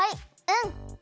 うん。